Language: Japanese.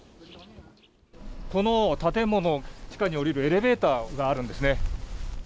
この建物、地下に降りるエレベーターがあるんですね。